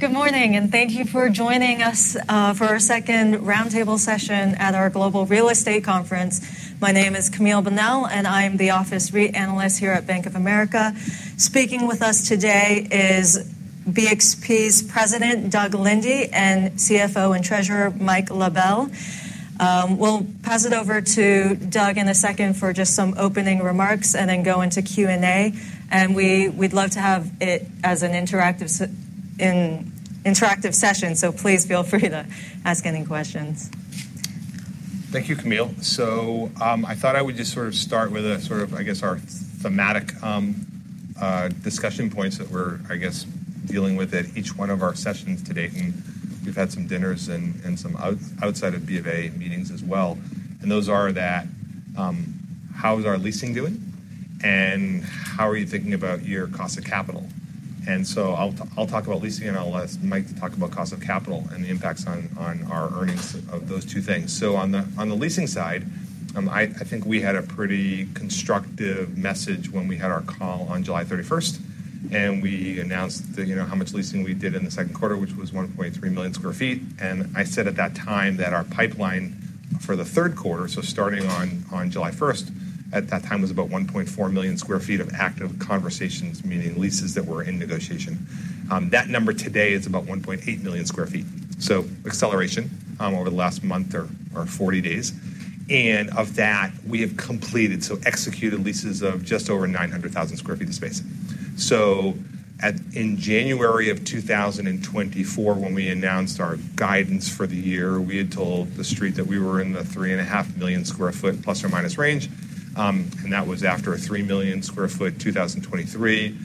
Good morning, and thank you for joining us for our second roundtable session at our Global Real Estate Conference. My name is Camille Bonnel, and I'm the Office REIT Analyst here at Bank of America. Speaking with us today is BXP's President, Doug Linde, and CFO and Treasurer, Mike LaBelle. We'll pass it over to Doug in a second for just some opening remarks and then go into Q&A. We'd love to have it as an interactive session, so please feel free to ask any questions. Thank you, Camille. So I thought I would just sort of start with a sort of, I guess, our thematic discussion points that we're, I guess, dealing with at each one of our sessions to date. And we've had some dinners and some outside of B of A meetings as well. And those are that, how's our leasing doing? And how are you thinking about your cost of capital? And so I'll talk about leasing, and I'll let Mike talk about cost of capital and the impacts on our earnings of those two things. So on the leasing side, I think we had a pretty constructive message when we had our call on 31st July. And we announced how much leasing we did in the second quarter, which was 1.3 million square feet. I said at that time that our pipeline for the Q3, so starting on 1st July, at that time was about 1.4 million square feet of active conversations, meaning leases that were in negotiation. That number today is about 1.8 million sq ft. Acceleration over the last month or 40 days. Of that, we have completed, so executed leases of just over 900,000 sq ft of space. In January of 2024, when we announced our guidance for the year, we had told the street that we were in the 3.5 million sq ft plus or minus range. That was after a 3 million sq ft 2023.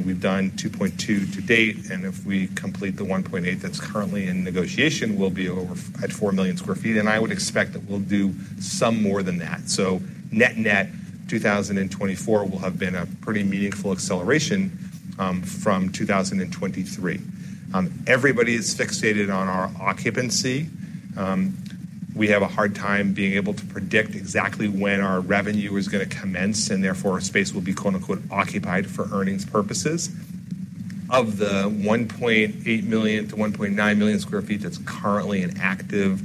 We've done 2.2 to date. If we complete the 1.8 that's currently in negotiation, we'll be at 4 million sq ft. I would expect that we'll do some more than that. So net net 2024 will have been a pretty meaningful acceleration from 2023. Everybody is fixated on our occupancy. We have a hard time being able to predict exactly when our revenue is going to commence, and therefore our space will be "occupied" for earnings purposes. Of the 1.8 to 1.9 million sq ft that's currently in active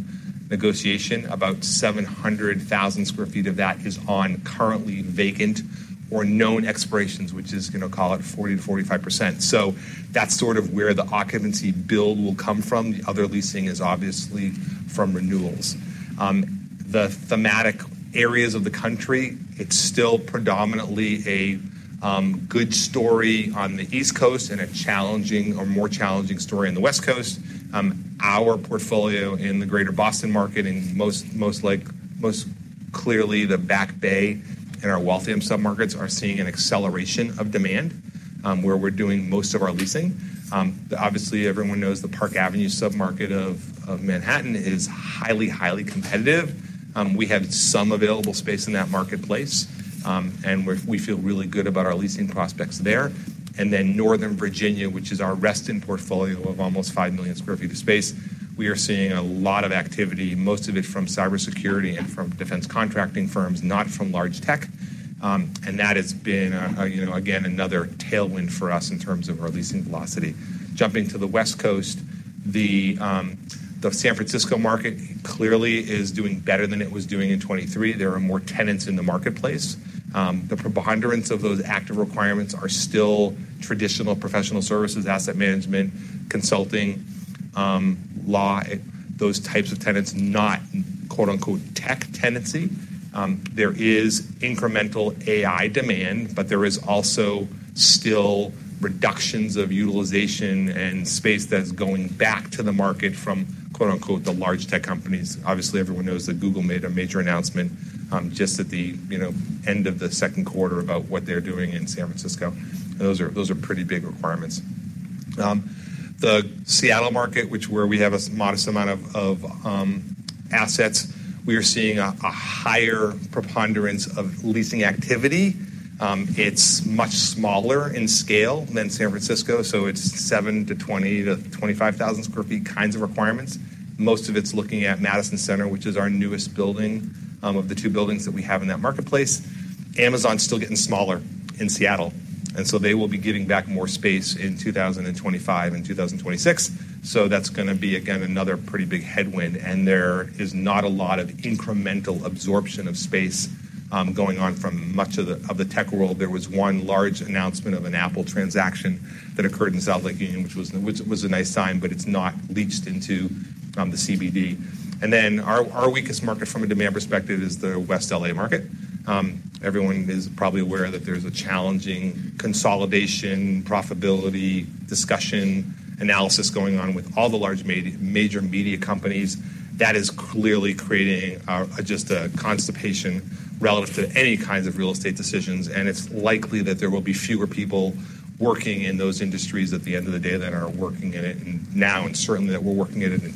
negotiation, about 700,000 sq ft of that is on currently vacant or known expirations, which is going to call it 40% to 45%. So that's sort of where the occupancy build will come from. The other leasing is obviously from renewals. The thematic areas of the country, it's still predominantly a good story on the East Coast and a challenging or more challenging story on the West Coast. Our portfolio in the greater Boston market and most clearly the Back Bay and our Waltham submarkets are seeing an acceleration of demand where we're doing most of our leasing. Obviously, everyone knows the Park Avenue submarket of Manhattan is highly, highly competitive. We have some available space in that marketplace, and we feel really good about our leasing prospects there, and then Northern Virginia, which is our Reston portfolio of almost five million sq ft of space, we are seeing a lot of activity, most of it from cybersecurity and from defense contracting firms, not from large tech. And that has been, again, another tailwind for us in terms of our leasing velocity. Jumping to the West Coast, the San Francisco market clearly is doing better than it was doing in 2023. There are more tenants in the marketplace. The preponderance of those active requirements are still traditional professional services, asset management, consulting, law, those types of tenants, not "tech tenancy." There is incremental AI demand, but there is also still reductions of utilization and space that's going back to the market from "the large tech companies." Obviously, everyone knows that Google made a major announcement just at the end of the second quarter about what they're doing in San Francisco. Those are pretty big requirements. The Seattle market, which is where we have a modest amount of assets, we are seeing a higher preponderance of leasing activity. It's much smaller in scale than San Francisco. So it's seven to 20 to 25,000 sq ft kinds of requirements. Most of it's looking at Madison Centre, which is our newest building of the two buildings that we have in that marketplace. Amazon's still getting smaller in Seattle. And so they will be giving back more space in 2025 and 2026. So that's going to be, again, another pretty big headwind. And there is not a lot of incremental absorption of space going on from much of the tech world. There was one large announcement of an Apple transaction that occurred in South Lake Union, which was a nice sign, but it's not leaked into the CBD. And then our weakest market from a demand perspective is the West LA market. Everyone is probably aware that there's a challenging consolidation, profitability, discussion, analysis going on with all the large major media companies. That is clearly creating just a constipation relative to any kinds of real estate decisions. It's likely that there will be fewer people working in those industries at the end of the day than are working in it now, and certainly that we're working at it in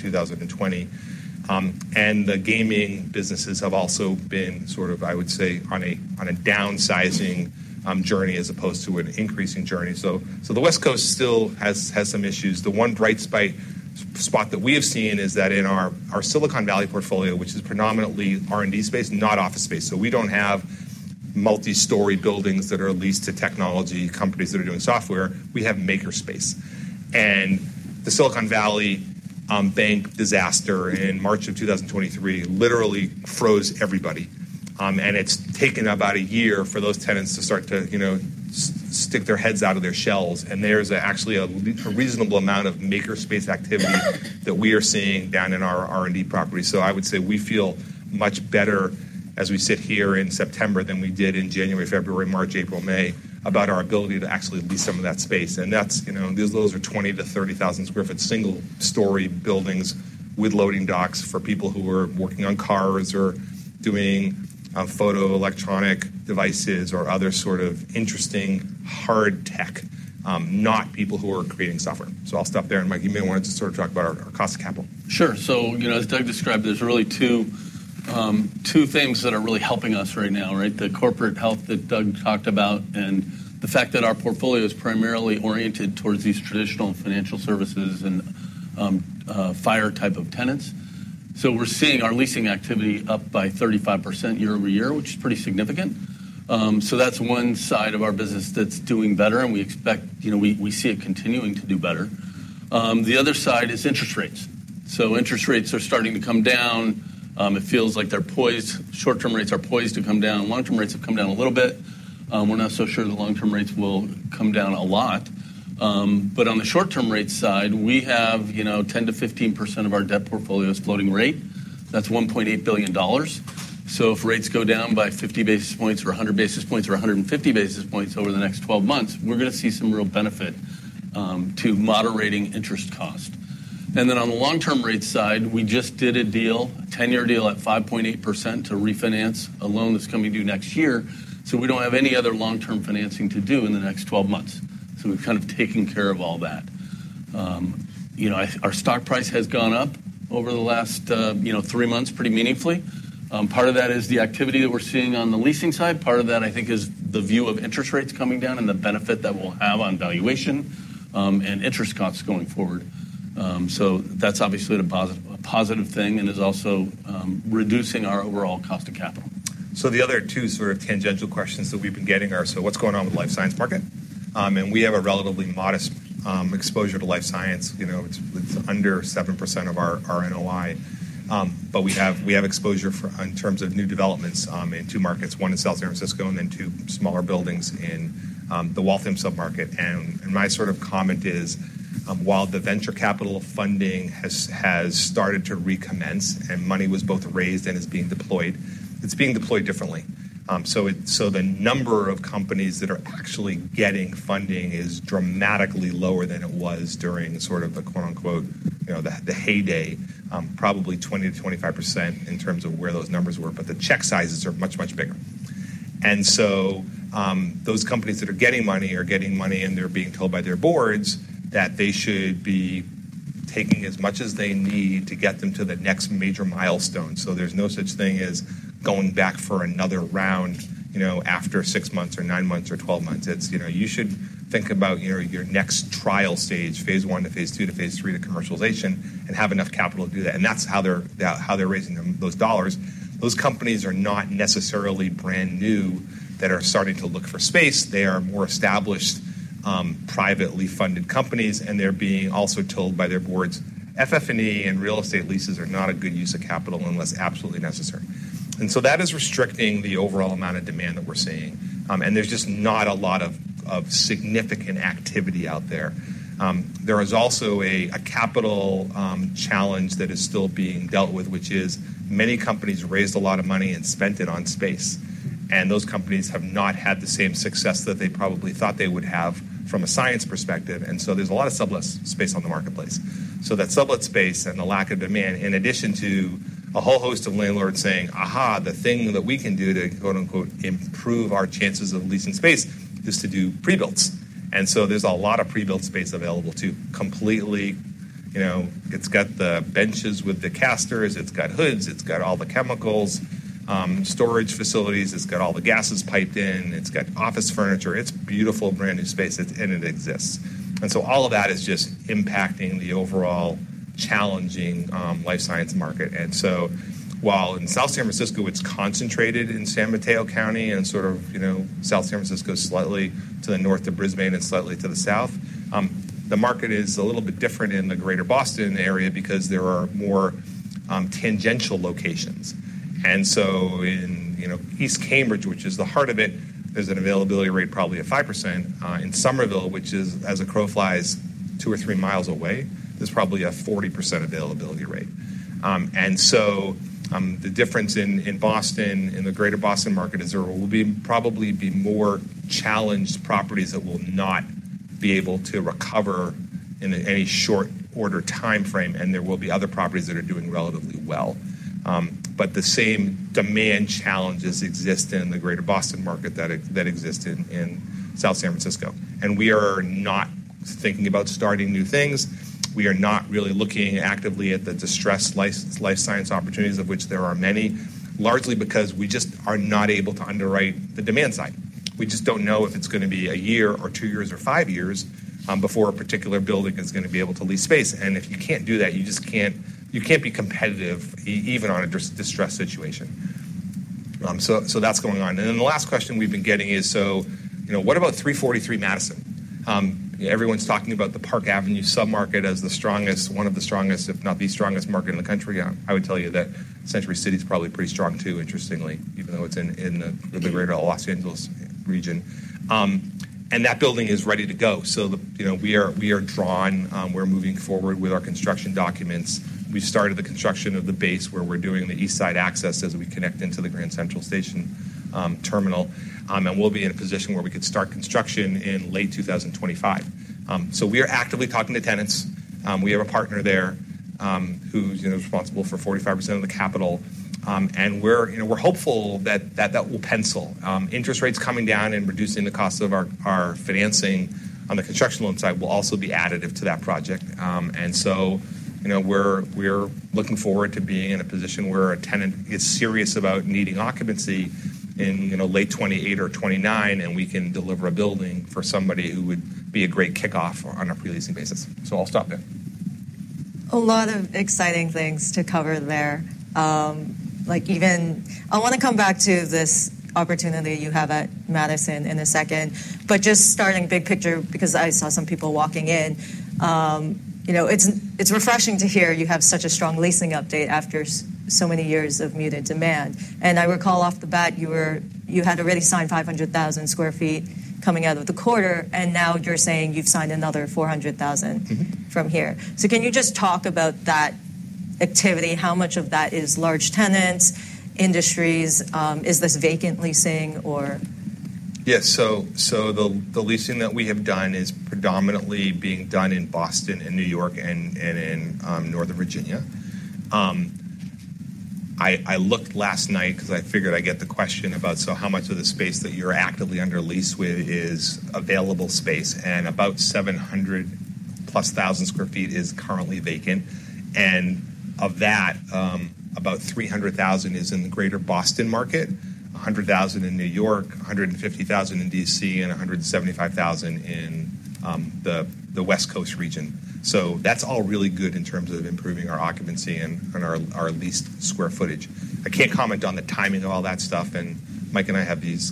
2020. The gaming businesses have also been sort of, I would say, on a downsizing journey as opposed to an increasing journey. The West Coast still has some issues. The one bright spot that we have seen is that in our Silicon Valley portfolio, which is predominantly R&D space, not office space. We don't have multi-story buildings that are leased to technology companies that are doing software. We have maker space. The Silicon Valley Bank disaster in March of 2023 literally froze everybody. It's taken about a year for those tenants to start to stick their heads out of their shells. There's actually a reasonable amount of maker space activity that we are seeing down in our R&D property. So I would say we feel much better as we sit here in September than we did in January, February, March, April, May about our ability to actually lease some of that space. And those are 20 to 30,000 sq ft single-story buildings with loading docks for people who are working on cars or doing photo electronic devices or other sort of interesting hard tech, not people who are creating software. So I'll stop there. And Mike, you may want to sort of talk about our cost of capital. Sure, so as Doug described, there's really two things that are really helping us right now, right? The corporate health that Doug talked about and the fact that our portfolio is primarily oriented towards these traditional financial services and FIRE type of tenants, so we're seeing our leasing activity up by 35% year-over-year, which is pretty significant. So that's one side of our business that's doing better, and we expect, we see it continuing to do better. The other side is interest rates, so interest rates are starting to come down. It feels like they're poised, short-term rates are poised to come down. Long-term rates have come down a little bit. We're not so sure the long-term rates will come down a lot, but on the short-term rate side, we have 10% to 15% of our debt portfolio's floating rate. That's $1.8 billion. So if rates go down by 50 basis points or 100 basis points or 150 basis points over the next 12 months, we're going to see some real benefit to moderating interest cost. And then on the long-term rate side, we just did a deal, a 10-year deal at 5.8% to refinance a loan that's coming due next year. So we don't have any other long-term financing to do in the next 12 months. So we've kind of taken care of all that. Our stock price has gone up over the last three months pretty meaningfully. Part of that is the activity that we're seeing on the leasing side. Part of that, I think, is the view of interest rates coming down and the benefit that we'll have on valuation and interest costs going forward. So that's obviously a positive thing and is also reducing our overall cost of capital. So the other two sort of tangential questions that we've been getting are what's going on with the life science market. And we have a relatively modest exposure to life science. It's under 7% of our NOI. But we have exposure in terms of new developments in two markets, one in South San Francisco and then two smaller buildings in the Waltham submarket. And my sort of comment is, while the venture capital funding has started to recommence and money was both raised and is being deployed, it's being deployed differently. So the number of companies that are actually getting funding is dramatically lower than it was during sort of the "heyday," probably 20% to 25% in terms of where those numbers were. But the check sizes are much, much bigger. And so those companies that are getting money are getting money, and they're being told by their boards that they should be taking as much as they need to get them to the next major milestone. So there's no such thing as going back for another round after six months or nine months or twelve months. You should think about your next trial stage, phase one to phase two to phase three to commercialization and have enough capital to do that. And that's how they're raising those dollars. Those companies are not necessarily brand new that are starting to look for space. They are more established privately funded companies, and they're being also told by their boards, FF&E and real estate leases are not a good use of capital unless absolutely necessary. And so that is restricting the overall amount of demand that we're seeing. There's just not a lot of significant activity out there. There is also a capital challenge that is still being dealt with, which is many companies raised a lot of money and spent it on space. Those companies have not had the same success that they probably thought they would have from a science perspective. There's a lot of sublet space on the marketplace. That sublet space and the lack of demand, in addition to a whole host of landlords saying, "Aha, the thing that we can do to 'improve our chances of leasing space' is to do pre-builds." There's a lot of pre-build space available too. Completely, it's got the benches with the casters, it's got hoods, it's got all the chemicals, storage facilities, it's got all the gases piped in, it's got office furniture. It's beautiful brand new space, and it exists. And so all of that is just impacting the overall challenging life science market. And so while in South San Francisco, it's concentrated in San Mateo County and sort of South San Francisco slightly to the north of Brisbane and slightly to the south, the market is a little bit different in the greater Boston area because there are more tangential locations. And so in East Cambridge, which is the heart of it, there's an availability rate probably of 5%. In Somerville, which is, as a crow flies, two or three miles away, there's probably a 40% availability rate. And so the difference in Boston, in the greater Boston market, is there will probably be more challenged properties that will not be able to recover in any short order timeframe, and there will be other properties that are doing relatively well. But the same demand challenges exist in the greater Boston market that exist in South San Francisco. And we are not thinking about starting new things. We are not really looking actively at the distressed life science opportunities, of which there are many, largely because we just are not able to underwrite the demand side. We just don't know if it's going to be a year or two years or five years before a particular building is going to be able to lease space. And if you can't do that, you can't be competitive even on a distressed situation. So that's going on. And then the last question we've been getting is, so what about 343 Madison? Everyone's talking about the Park Avenue submarket as the strongest, one of the strongest, if not the strongest market in the country. I would tell you that Century City is probably pretty strong too, interestingly, even though it's in the greater Los Angeles region. And that building is ready to go. So we are drawn. We're moving forward with our construction documents. We've started the construction of the base where we're doing the East Side Access as we connect into the Grand Central Terminal. And we'll be in a position where we could start construction in late 2025. So we are actively talking to tenants. We have a partner there who is responsible for 45% of the capital. And we're hopeful that that will pencil. Interest rates coming down and reducing the cost of our financing on the construction loan side will also be additive to that project. And so we're looking forward to being in a position where a tenant gets serious about needing occupancy in late 2028 or 2029, and we can deliver a building for somebody who would be a great kickoff on a pre-leasing basis. So I'll stop there. A lot of exciting things to cover there. I want to come back to this opportunity you have at Madison in a second. But just starting big picture, because I saw some people walking in, it's refreshing to hear you have such a strong leasing update after so many years of muted demand. And I recall off the bat, you had already signed 500,000 sq ft coming out of the quarter, and now you're saying you've signed another 400,000 from here. So can you just talk about that activity? How much of that is large tenants, industries? Is this vacant leasing or? Yeah, so the leasing that we have done is predominantly being done in Boston and New York and in Northern Virginia. I looked last night because I figured I get the question about how much of the space that you're actively under lease with is available space, and about 700,000+ sq ft is currently vacant. And of that, about 300,000 sq ft is in the greater Boston market, 100,000 sq ft in New York, 150,000 sq ft in DC, and 175,000 sq ft in the West Coast region. So that's all really good in terms of improving our occupancy and our leased square footage. I can't comment on the timing of all that stuff, and Mike and I have these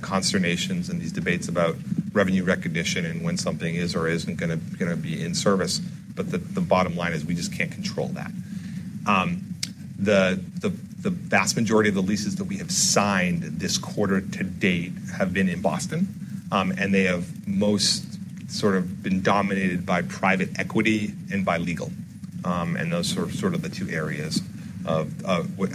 conversations and these debates about revenue recognition and when something is or isn't going to be in service. But the bottom line is we just can't control that. The vast majority of the leases that we have signed this quarter to date have been in Boston, and they have most sort of been dominated by private equity and by legal. And those are sort of the two areas of,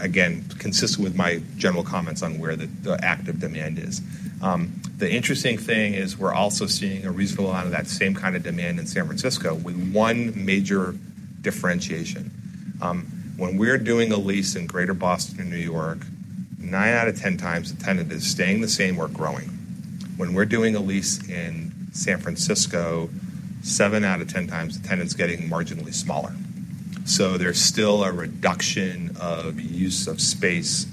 again, consistent with my general comments on where the active demand is. The interesting thing is we're also seeing a reasonable amount of that same kind of demand in San Francisco with one major differentiation. When we're doing a lease in greater Boston and New York, nine out of 10 times the tenant is staying the same or growing. When we're doing a lease in San Francisco, seven out of 10 times the tenant's getting marginally smaller. So there's still a reduction of use of space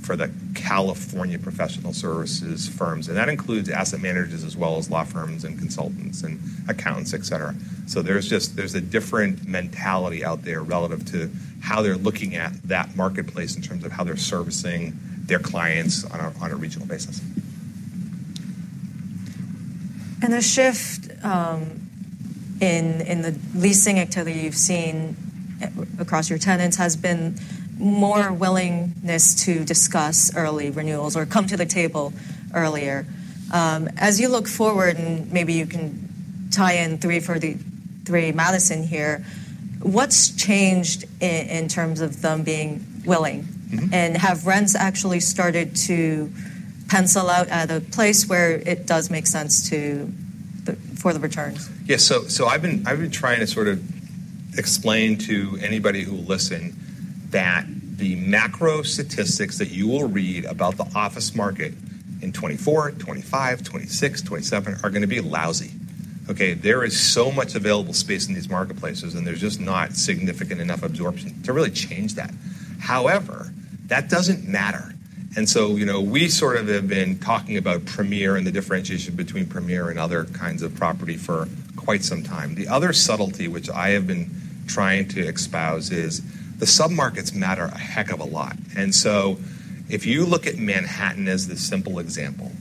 for the California professional services firms. And that includes asset managers as well as law firms and consultants and accounts, etc. So there's a different mentality out there relative to how they're looking at that marketplace in terms of how they're servicing their clients on a regional basis. And the shift in the leasing activity you've seen across your tenants has been more willingness to discuss early renewals or come to the table earlier. As you look forward, and maybe you can tie in 343 Madison here, what's changed in terms of them being willing? And have rents actually started to pencil out at a place where it does make sense for the returns? Yeah. So I've been trying to sort of explain to anybody who will listen that the macro statistics that you will read about the office market in 2024, 2025, 2026, 2027 are going to be lousy. There is so much available space in these marketplaces, and there's just not significant enough absorption to really change that. However, that doesn't matter. And so we sort of have been talking about premier and the differentiation between premier and other kinds of property for quite some time. The other subtlety which I have been trying to espouse is the submarkets matter a heck of a lot. And so if you look at Manhattan as the simple example,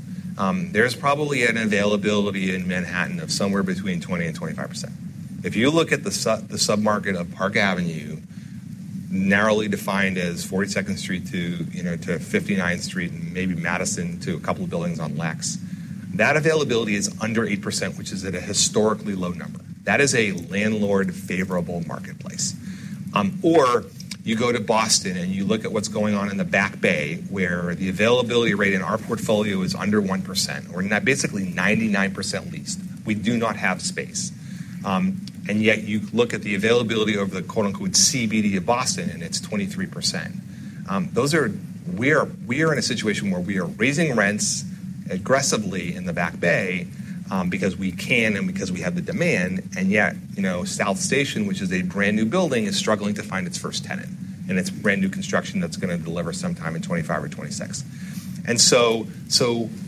there's probably an availability in Manhattan of somewhere between 20% and 25%. If you look at the submarket of Park Avenue, narrowly defined as 42nd Street to 59th Street and maybe Madison to a couple of buildings on Lex, that availability is under 8%, which is at a historically low number. That is a landlord-favorable marketplace. Or you go to Boston and you look at what's going on in the Back Bay, where the availability rate in our portfolio is under 1%. We're basically 99% leased. We do not have space. And yet you look at the availability over the "CBD of Boston," and it's 23%. We are in a situation where we are raising rents aggressively in the Back Bay because we can and because we have the demand. And yet South Station, which is a brand new building, is struggling to find its first tenant and its brand new construction that's going to deliver sometime in 2025 or 2026. And so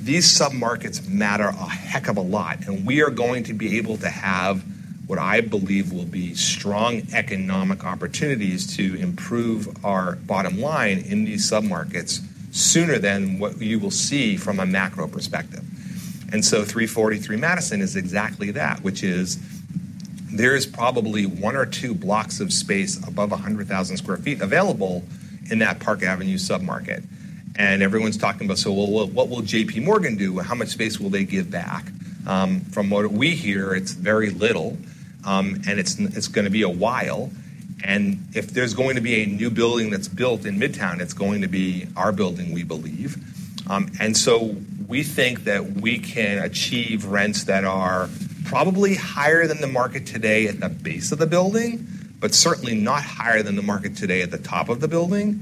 these submarkets matter a heck of a lot. And we are going to be able to have what I believe will be strong economic opportunities to improve our bottom line in these submarkets sooner than what you will see from a macro perspective. And so 343 Madison is exactly that, which is there is probably one or two blocks of space above 100,000 sq ft available in that Park Avenue submarket. And everyone's talking about, so what will JPMorgan do? How much space will they give back? From what we hear, it's very little, and it's going to be a while. And if there's going to be a new building that's built in Midtown, it's going to be our building, we believe. And so we think that we can achieve rents that are probably higher than the market today at the base of the building, but certainly not higher than the market today at the top of the building.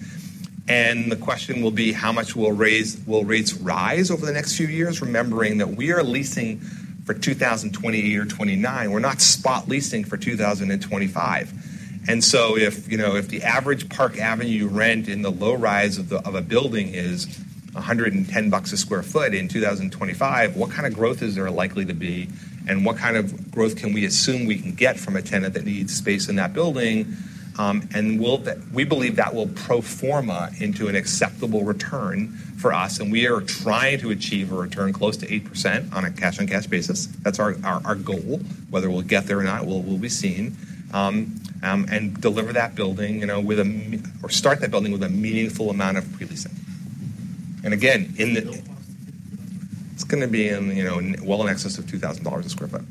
And the question will be, how much will rates rise over the next few years? Remembering that we are leasing for 2028 or 2029. We're not spot leasing for 2025. And so if the average Park Avenue rent in the low rise of a building is $110 a sq ft in 2025, what kind of growth is there likely to be? And what kind of growth can we assume we can get from a tenant that needs space in that building? And we believe that will pro forma into an acceptable return for us. And we are trying to achieve a return close to 8% on a cash-on-cash basis. That's our goal. Whether we'll get there or not, we'll be seeing. And deliver that building starting with a meaningful amount of pre-leasing. And again, it's going to be well in excess of $2,000 a sq ft.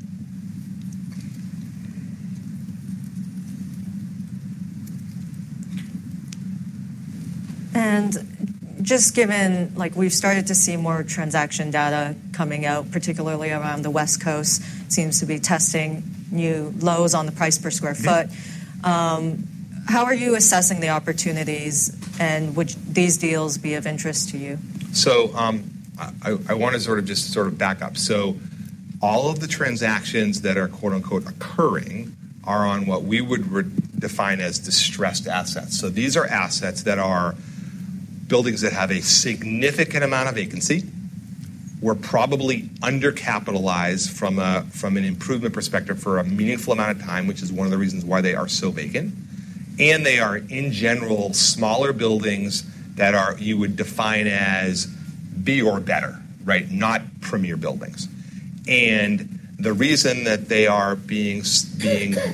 And just given we've started to see more transaction data coming out, particularly around the West Coast, seems to be testing new lows on the price per sq ft. How are you assessing the opportunities, and would these deals be of interest to you? I want to sort of just sort of back up. All of the transactions that are "occurring" are on what we would define as distressed assets. These are assets that are buildings that have a significant amount of vacancy. We're probably undercapitalized from an improvement perspective for a meaningful amount of time, which is one of the reasons why they are so vacant. They are, in general, smaller buildings that you would define as B or better, not premier buildings. The reason that they are being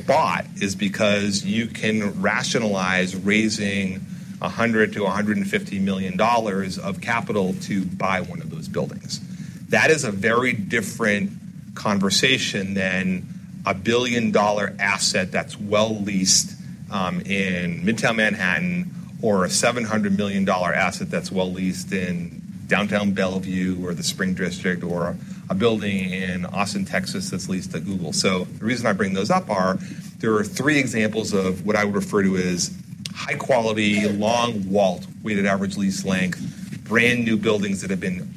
bought is because you can rationalize raising $100 to 150 million of capital to buy one of those buildings. That is a very different conversation than a $1 billion asset that's well leased in Midtown Manhattan or a $700 million asset that's well leased in downtown Bellevue or the Spring District or a building in Austin, Texas, that's leased to Google. So the reason I bring those up are there are three examples of what I would refer to as high-quality, long WALT, weighted average lease length, brand new buildings that have been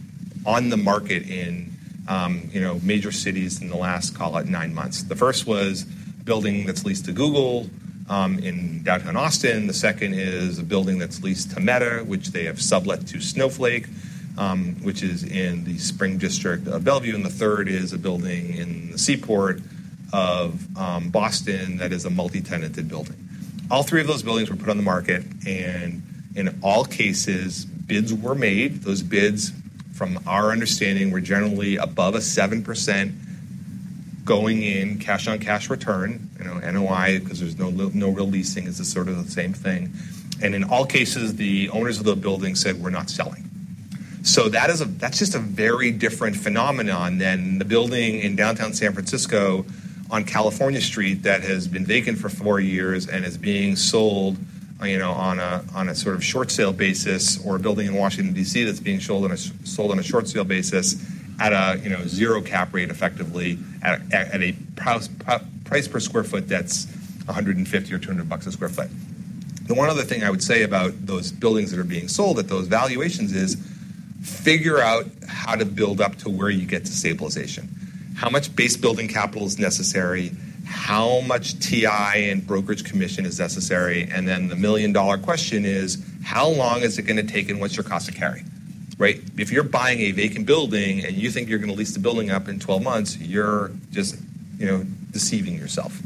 on the market in major cities in the last, call it, nine months. The first was a building that's leased to Google in downtown Austin. The second is a building that's leased to Meta, which they have sublet to Snowflake, which is in the Spring District of Bellevue. And the third is a building in the Seaport of Boston that is a multi-tenanted building. All three of those buildings were put on the market. In all cases, bids were made. Those bids, from our understanding, were generally above a 7% going in cash-on-cash return. NOI, because there's no real leasing, is sort of the same thing. In all cases, the owners of the building said, "We're not selling." So that's just a very different phenomenon than the building in downtown San Francisco on California Street that has been vacant for four years and is being sold on a sort of short sale basis or a building in Washington, D.C. that's being sold on a short sale basis at a zero cap rate, effectively, at a price per square foot that's $150 or $200 a sq ft. The one other thing I would say about those buildings that are being sold at those valuations is figure out how to build up to where you get to stabilization. How much base building capital is necessary? How much TI and brokerage commission is necessary? And then the million-dollar question is, how long is it going to take and what's your cost of carry? If you're buying a vacant building and you think you're going to lease the building up in 12 months, you're just deceiving yourself.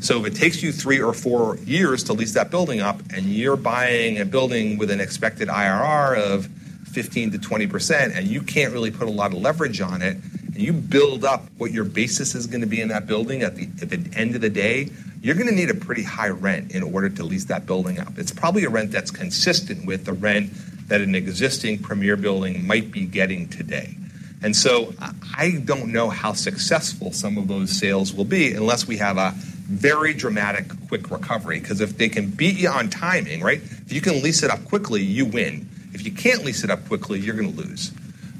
So if it takes you three or four years to lease that building up and you're buying a building with an expected IRR of 15% to 20% and you can't really put a lot of leverage on it and you build up what your basis is going to be in that building, at the end of the day, you're going to need a pretty high rent in order to lease that building up. It's probably a rent that's consistent with the rent that an existing premier building might be getting today. And so I don't know how successful some of those sales will be unless we have a very dramatic quick recovery. Because if they can beat you on timing, if you can lease it up quickly, you win. If you can't lease it up quickly, you're going to lose.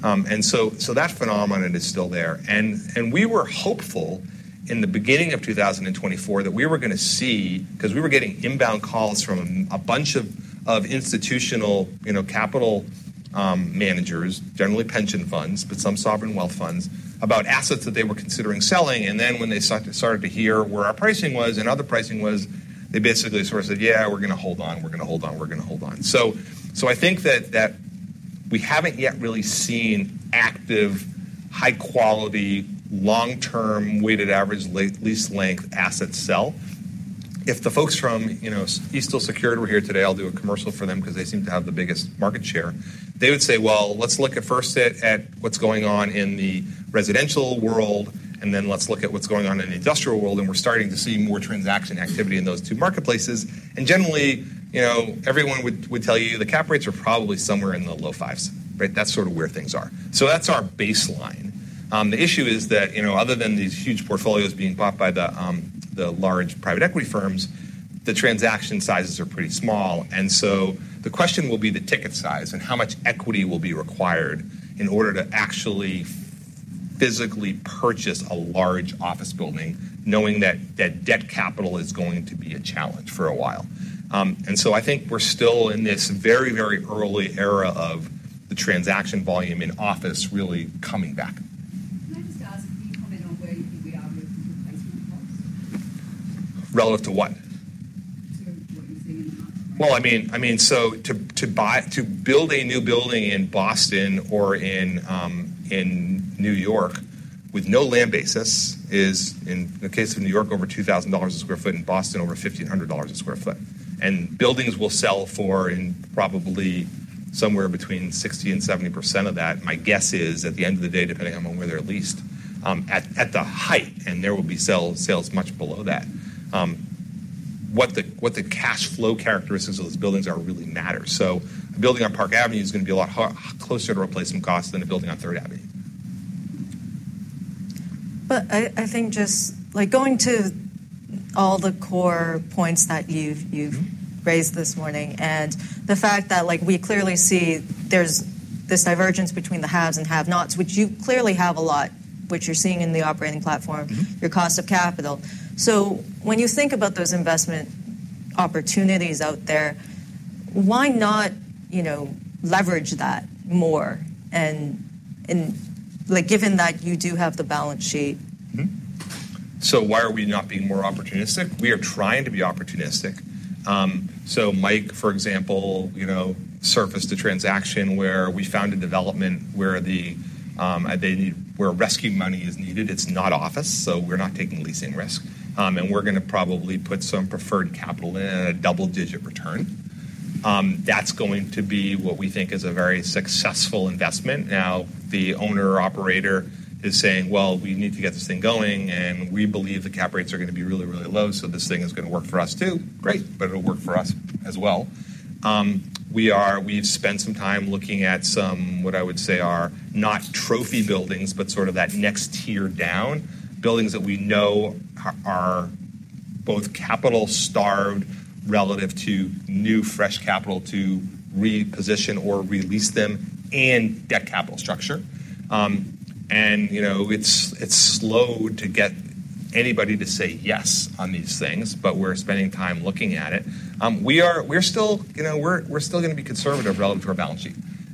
And so that phenomenon is still there. And we were hopeful in the beginning of 2024 that we were going to see because we were getting inbound calls from a bunch of institutional capital managers, generally pension funds, but some sovereign wealth funds, about assets that they were considering selling. And then when they started to hear where our pricing was and other pricing was, they basically sort of said, "Yeah, we're going to hold on. We're going to hold on. We're going to hold on." So I think that we haven't yet really seen active, high-quality, long-term, weighted average lease length assets sell. If the folks from Eastdil Secured were here today, I'll do a commercial for them because they seem to have the biggest market share. They would say, "Well, let's look at first at what's going on in the residential world, and then let's look at what's going on in the industrial world. And we're starting to see more transaction activity in those two marketplaces." And generally, everyone would tell you the cap rates are probably somewhere in the low fives. That's sort of where things are. So that's our baseline. The issue is that other than these huge portfolios being bought by the large private equity firms, the transaction sizes are pretty small. The question will be the ticket size and how much equity will be required in order to actually physically purchase a large office building, knowing that debt capital is going to be a challenge for a while. I think we're still in this very, very early era of the transaction volume in office really coming back. Can I just ask, do you comment on where you think we are with the pricing cost? Relative to what? To what you're seeing in the marketplace. I mean, so to build a new building in Boston or in New York with no land basis is, in the case of New York, over $2,000 sq ft and Boston over $1,500 sq ft. Buildings will sell for probably somewhere between 60% to 70% of that. My guess is, at the end of the day, depending on where they're leased, at the height, and there will be sales much below that. What the cash flow characteristics of those buildings are really matters. A building on Park Avenue is going to be a lot closer to replacement cost than a building on Third Avenue. But I think just going to all the core points that you've raised this morning and the fact that we clearly see there's this divergence between the haves and have-nots, which you clearly have a lot, which you're seeing in the operating platform, your cost of capital. So when you think about those investment opportunities out there, why not leverage that more? And given that you do have the balance sheet. So why are we not being more opportunistic? We are trying to be opportunistic. So Mike, for example, surfaced a transaction where we found a development where rescue money is needed. It's not office, so we're not taking leasing risk. And we're going to probably put some preferred capital in at a double-digit return. That's going to be what we think is a very successful investment. Now, the owner operator is saying, "Well, we need to get this thing going, and we believe the cap rates are going to be really, really low, so this thing is going to work for us too." Great, but it'll work for us as well. We've spent some time looking at some, what I would say are not trophy buildings, but sort of that next tier down buildings that we know are both capital-starved relative to new fresh capital to reposition or re-lease them and debt capital structure. It's slow to get anybody to say yes on these things, but we're spending time looking at it. We're still going to be conservative relative to our balance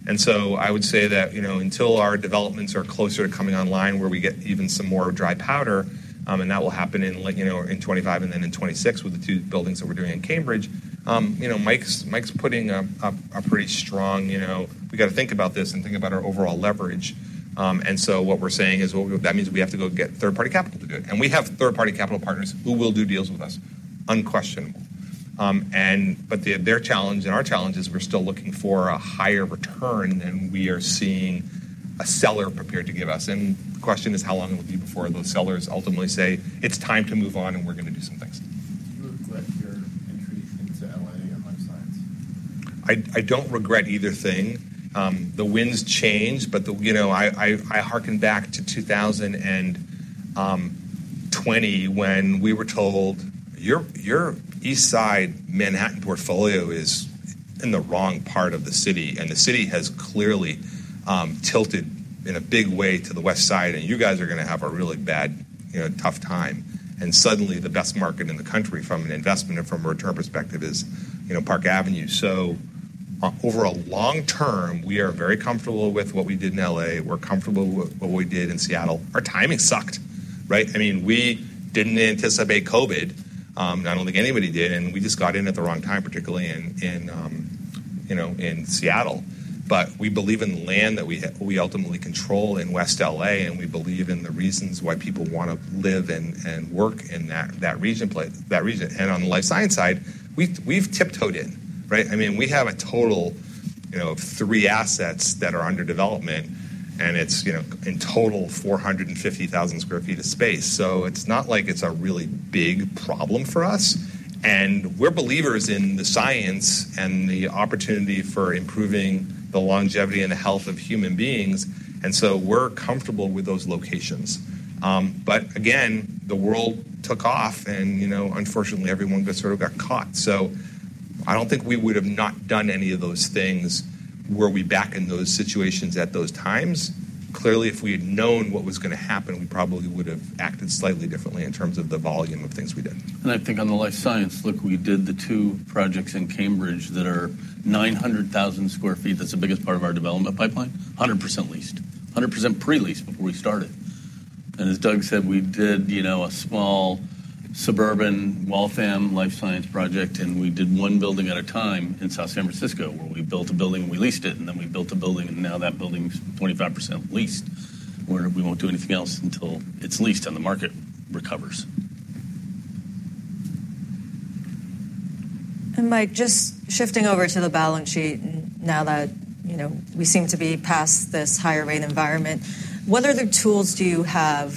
sheet. I would say that until our developments are closer to coming online where we get even some more dry powder, and that will happen in 2025 and then in 2026 with the two buildings that we're doing in Cambridge, Mike's putting a pretty strong "We got to think about this and think about our overall leverage." What we're saying is that means we have to go get third-party capital to do it. And we have third-party capital partners who will do deals with us, unquestionable. But their challenge and our challenge is we're still looking for a higher return than we are seeing a seller prepared to give us. And the question is how long it will be before those sellers ultimately say, "It's time to move on, and we're going to do some things. Do you regret your entry into LA and life science? I don't regret either thing. The winds change, but I hearken back to 2020 when we were told, "Your East Side Manhattan portfolio is in the wrong part of the city. And the city has clearly tilted in a big way to the West Side, and you guys are going to have a really bad, tough time," and suddenly, the best market in the country from an investment and from a return perspective is Park Avenue, so over a long term, we are very comfortable with what we did in LA. We're comfortable with what we did in Seattle. Our timing sucked. I mean, we didn't anticipate COVID, not only anybody did, and we just got in at the wrong time, particularly in Seattle. But we believe in the land that we ultimately control in West LA, and we believe in the reasons why people want to live and work in that region. And on the life science side, we've tiptoed in. I mean, we have a total of three assets that are under development, and it's in total 450,000 sq ft of space. So it's not like it's a really big problem for us. And we're believers in the science and the opportunity for improving the longevity and the health of human beings. And so we're comfortable with those locations. But again, the world took off, and unfortunately, everyone sort of got caught. So I don't think we would have not done any of those things were we back in those situations at those times. Clearly, if we had known what was going to happen, we probably would have acted slightly differently in terms of the volume of things we did. And I think on the life science, look, we did the two projects in Cambridge that are 900,000 sq ft. That's the biggest part of our development pipeline, 100% leased, 100% pre-leased before we started. And as Doug said, we did a small suburban Waltham life science project, and we did one building at a time in South San Francisco where we built a building and we leased it, and then we built a building, and now that building is 25% leased, where we won't do anything else until it's leased and the market recovers. Mike, just shifting over to the balance sheet now that we seem to be past this higher rate environment, what other tools do you have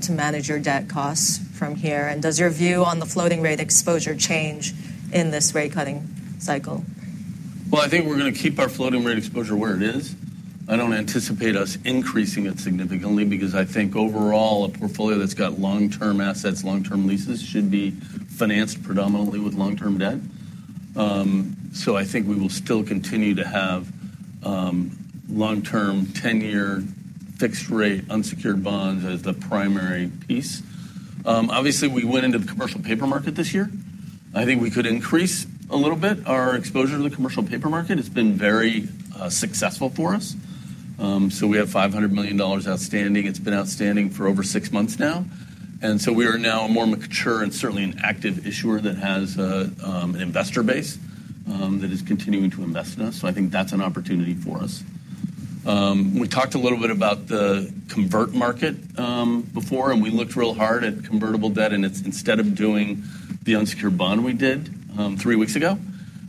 to manage your debt costs from here? Does your view on the floating rate exposure change in this rate-cutting cycle? I think we're going to keep our floating rate exposure where it is. I don't anticipate us increasing it significantly because I think overall, a portfolio that's got long-term assets, long-term leases should be financed predominantly with long-term debt. So I think we will still continue to have long-term 10-year fixed rate unsecured bonds as the primary piece. Obviously, we went into the commercial paper market this year. I think we could increase a little bit our exposure to the commercial paper market. It's been very successful for us. So we have $500 million outstanding. It's been outstanding for over six months now. And so we are now a more mature and certainly an active issuer that has an investor base that is continuing to invest in us. So I think that's an opportunity for us. We talked a little bit about the convert market before, and we looked real hard at convertible debt and instead of doing the unsecured bond we did three weeks ago,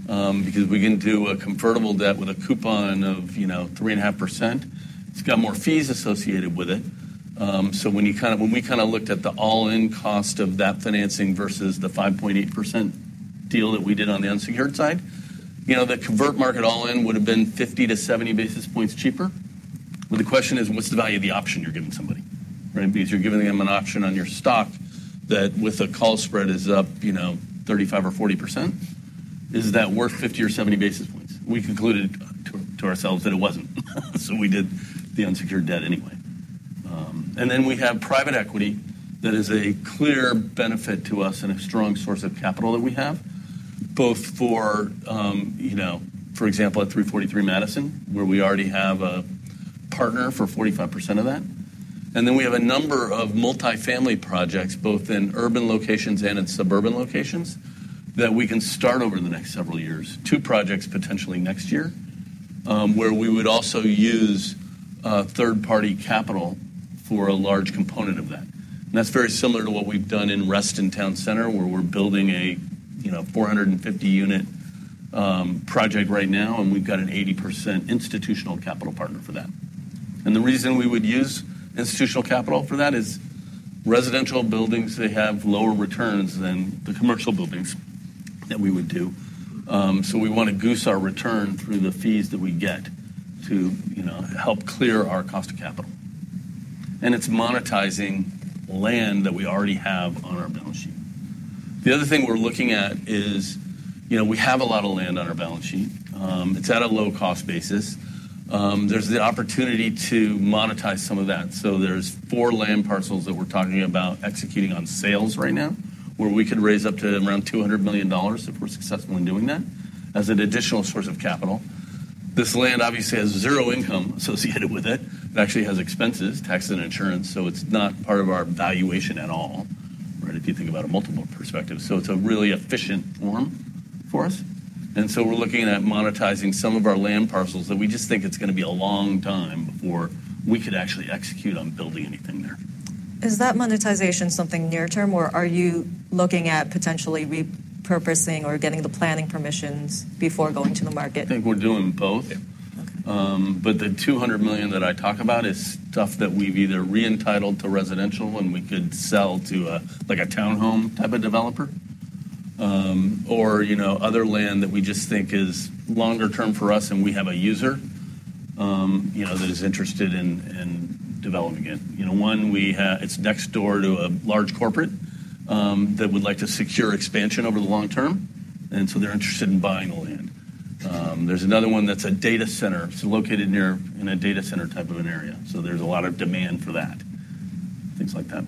because we can do a convertible debt with a coupon of 3.5%, it's got more fees associated with it, so when we kind of looked at the all-in cost of that financing versus the 5.8% deal that we did on the unsecured side, the convert market all-in would have been 50 to 70 basis points cheaper, but the question is, what's the value of the option you're giving somebody? Because you're giving them an option on your stock that with a call spread is up 35 or 40%. Is that worth 50 to 70 basis points? We concluded to ourselves that it wasn't, so we did the unsecured debt anyway. And then we have private equity that is a clear benefit to us and a strong source of capital that we have, both for example, at 343 Madison, where we already have a partner for 45% of that. And then we have a number of multi-family projects, both in urban locations and in suburban locations, that we can start over in the next several years. Two projects potentially next year, where we would also use third-party capital for a large component of that. And that's very similar to what we've done in Reston Town Center, where we're building a 450-unit project right now, and we've got an 80% institutional capital partner for that. And the reason we would use institutional capital for that is residential buildings, they have lower returns than the commercial buildings that we would do. So we want to goose our return through the fees that we get to help clear our cost of capital. And it's monetizing land that we already have on our balance sheet. The other thing we're looking at is we have a lot of land on our balance sheet. It's at a low-cost basis. There's the opportunity to monetize some of that. So there's four land parcels that we're talking about executing on sales right now, where we could raise up to around $200 million if we're successful in doing that as an additional source of capital. This land obviously has zero income associated with it. It actually has expenses, taxes, and insurance. So it's not part of our valuation at all, if you think about a multiple perspective. So it's a really efficient form for us. We're looking at monetizing some of our land parcels that we just think it's going to be a long time before we could actually execute on building anything there. Is that monetization something near-term, or are you looking at potentially repurposing or getting the planning permissions before going to the market? I think we're doing both. But the $200 million that I talk about is stuff that we've either re-entitled to residential and we could sell to a townhome type of developer, or other land that we just think is longer-term for us and we have a user that is interested in developing it. One, it's next door to a large corporate that would like to secure expansion over the long term. And so they're interested in buying the land. There's another one that's a data center. It's located in a data center type of an area. So there's a lot of demand for that, things like that.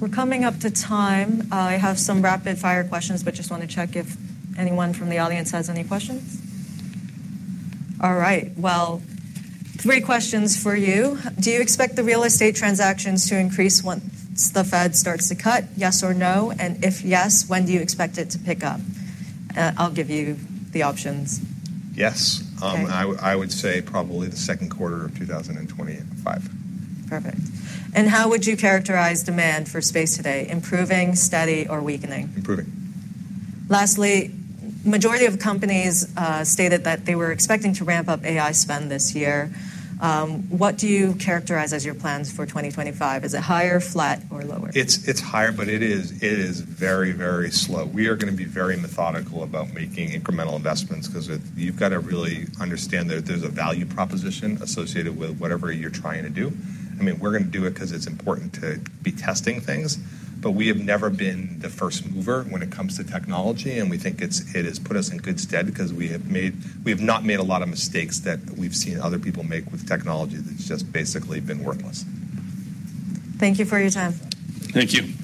We're coming up to time. I have some rapid-fire questions, but just want to check if anyone from the audience has any questions. All right. Well, three questions for you. Do you expect the real estate transactions to increase once the Fed starts to cut? Yes or no? And if yes, when do you expect it to pick up? I'll give you the options. Yes. I would say probably the second quarter of 2025. Perfect, and how would you characterize demand for space today? Improving, steady, or weakening? Improving. Lastly, the majority of companies stated that they were expecting to ramp up AI spend this year. What do you characterize as your plans for 2025? Is it higher, flat, or lower? It's higher, but it is very, very slow. We are going to be very methodical about making incremental investments because you've got to really understand that there's a value proposition associated with whatever you're trying to do. I mean, we're going to do it because it's important to be testing things, but we have never been the first mover when it comes to technology, and we think it has put us in good stead because we have not made a lot of mistakes that we've seen other people make with technology that's just basically been worthless. Thank you for your time. Thank you.